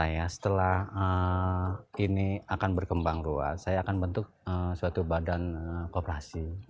ya setelah ini akan berkembang ruas saya akan bentuk suatu badan kooperasi